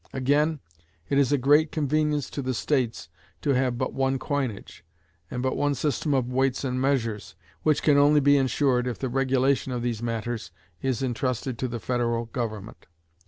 Again, it is a great convenience to the states to have but one coinage, and but one system of weights and measures, which can only be insured if the regulation of these matters is intrusted to the federal government.